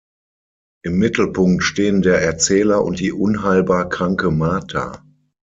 Im Mittelpunkt stehen der Erzähler und die unheilbar kranke Marta.